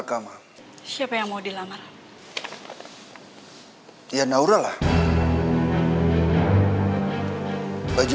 bapak ini disuruh beli baju baru